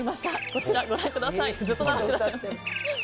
こちら、ご覧ください。